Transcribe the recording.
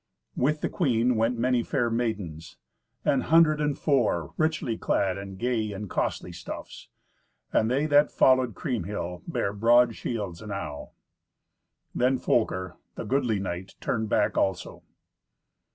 With the queen went many fair maidens, an hundred and four, richly clad in gay and costly stuffs; and they that followed Kriemhild bare broad shields enow. Then Folker, the goodly knight, turned back also.